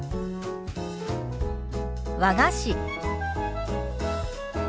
「和菓子」。